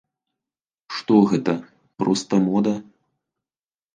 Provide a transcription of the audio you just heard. Што гэта, проста мода?